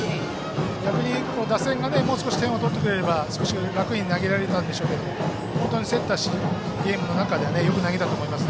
逆に、打線がねもう少し点を取ってくれればもう少し楽に投げられたんでしょうけど本当に競ったゲームの中でよく投げたと思います。